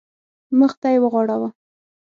مخ ته یې وغوړاوه.